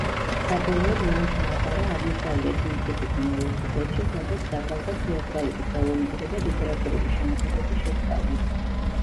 საბოლოოდ მან ჩააბარა აღმოსავლეთ ინგლისის უნივერსიტეტში, სადაც დაკავდა თეატრალური ხელოვნებისა და ლიტერატურული შემოქმედების შესწავლით.